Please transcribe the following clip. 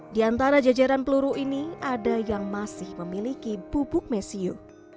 di antara jajaran peluru ini ada yang masih memiliki bubuk mesiu